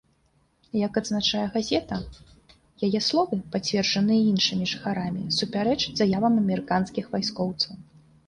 Як адзначае газета, яе словы, пацверджаныя іншымі жыхарамі, супярэчаць заявам амерыканскіх вайскоўцаў.